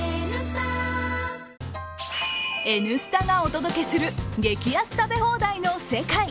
「Ｎスタ」がお届けする激安食べ放題の世界。